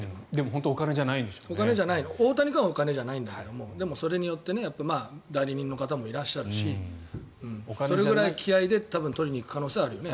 大谷君はお金じゃないんだけどでも、それによって代理人の方もいらっしゃるしそれくらいの気合で取りに行く可能性はあるよね。